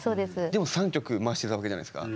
でも３曲回してたわけじゃないですか。